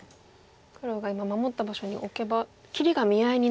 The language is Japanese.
黒が今守った場所にオケば切りが見合いになってると。